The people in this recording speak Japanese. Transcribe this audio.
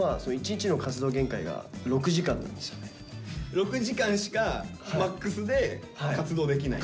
６時間しかマックスで活動できない？